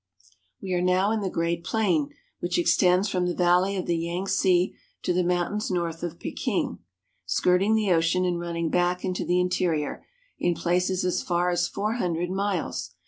A Chinese Family. We are now in the Great Plain, which extends from the valley of the Yangtze to the mountains north of Peking (pe king'), skirting the ocean and running back into the interior, in places, as far as four hundred miles.